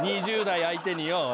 ２０代相手によ。